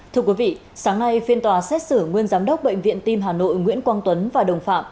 thưa quý vị sáng nay phiên tòa xét xử nguyên giám đốc bệnh viện tim hà nội nguyễn quang tuấn và đồng phạm